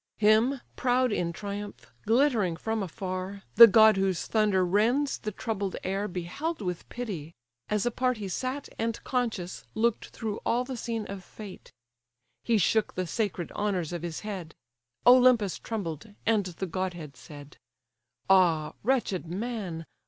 Him, proud in triumph, glittering from afar, The god whose thunder rends the troubled air Beheld with pity; as apart he sat, And, conscious, look'd through all the scene of fate. He shook the sacred honours of his head; Olympus trembled, and the godhead said; "Ah, wretched man!